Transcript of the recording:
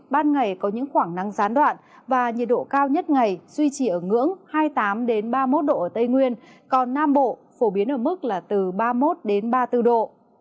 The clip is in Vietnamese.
ban ngày có những khoảng nắng gián đoạn và nhiệt độ cao nhất ngày duy trì ở ngưỡng hai mươi tám ba mươi một độ ở tây nguyên còn nam bộ phổ biến ở mức là từ ba mươi một ba mươi bốn độ